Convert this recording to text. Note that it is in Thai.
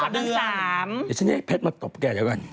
เดี๋ยวฉันให้เพชรมาตบแกแล้วกัน